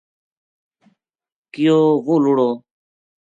کہیو وہ لُڑو